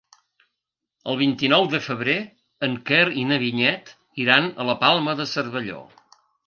El vint-i-nou de febrer en Quer i na Vinyet iran a la Palma de Cervelló.